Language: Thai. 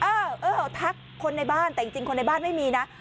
เออเออทักคนในบ้านแต่จริงคนในบ้านไม่มีนะ